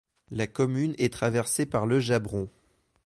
La commune est traversée par le Jabron.